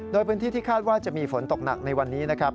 โดยพื้นที่ที่คาดว่าจะมีฝนตกหนักในวันนี้นะครับ